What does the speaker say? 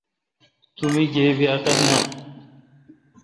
تو مے°گیبی عقل نان۔